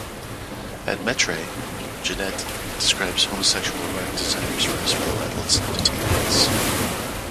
At Mettray, Genet describes homosexual erotic desires for his fellow adolescent detainees.